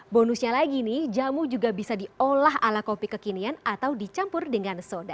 bonusnya lagi nih jamu juga bisa diolah ala kopi kekinian atau dicampur dengan soda